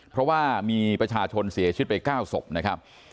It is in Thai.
เพราะว่ามีประชาชนเสียชีวิตไป๙ศพนะครับ